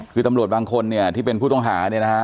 คือตำรวจบางคนที่เป็นผู้ต้องหา